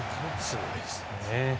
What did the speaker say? すごいですね。